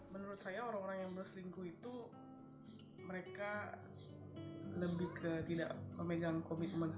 menurut saya orang orang yang berselingkuh itu mereka lebih ke tidak memegang komitmen